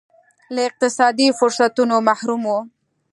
له اقتصادي فرصتونو محروم وو.